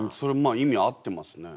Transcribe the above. あ意味は合ってますね。